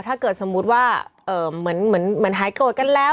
ถ้าเกิดสมมุติว่าเหมือนหายโกรธกันแล้ว